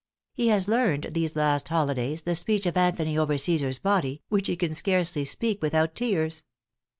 He has learned, these last holidays, the speech of Anthony over Cæsar's body, which he can scarcely speak without tears.